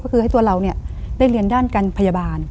ก็คือให้ตัวเราได้เรียนด้านการพยาบาล